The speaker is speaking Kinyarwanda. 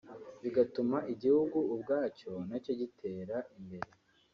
bigatuma igihugu ubwacyo na cyo gitera imbere